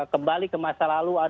kembali ke masa lalu